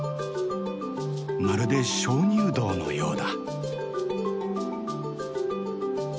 まるで鍾乳洞のようだ。